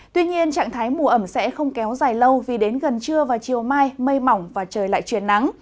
tuy nhiên trạng thái mù ẩm sẽ không kéo dài lâu vì đến gần trưa và chiều mai mây mỏng và trời lại chuyển nắng